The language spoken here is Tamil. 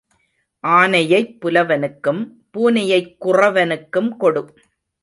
ஆனையைப் புலவனுக்கும் பூனையைக் குறவனுக்கும் கொடு.